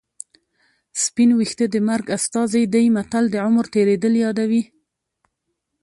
سپین ویښته د مرګ استازی دی متل د عمر تېرېدل یادوي